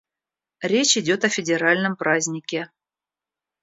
Речь идет о федеральном празднике.